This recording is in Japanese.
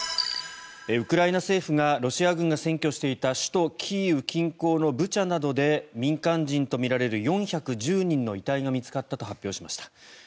ウクライナ政府がロシア軍が占拠していた首都キーウ近郊のブチャなどで民間人とみられる４１０人の遺体が見つかったと発表しました。